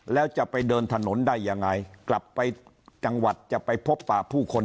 แล้วจะไปเดินถนนได้ยังไงกลับไปจังหวัดจะไปพบป่าผู้คน